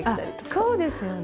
あそうですよね。